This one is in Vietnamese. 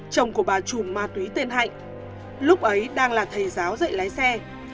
chồng của bà trùm ma túy tên hạnh lúc ấy đang là thầy giáo dạy lái xe